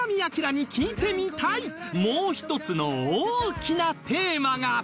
もう１つの大きなテーマが